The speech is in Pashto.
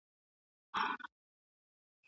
لارښود به د څېړني مهالوېش ټاکلی وي.